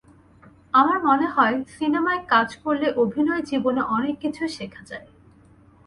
আমার মনে হয়, সিনেমায় কাজ করলে অভিনয় জীবনে অনেক কিছু শেখা যায়।